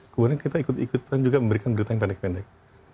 kemudian kita ikut ikutan juga memberikan berita yang pendek pendek